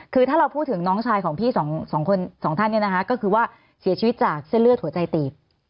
คือถ้าเราพูดถึงน้องชายของพี่สองคนสองท่านเนี่ยนะคะก็คือว่าเสียชีวิตจากเส้นเลือดหัวใจตีบ